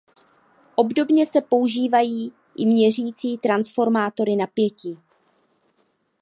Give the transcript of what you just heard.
Obdobně se používají i měřící transformátory napětí.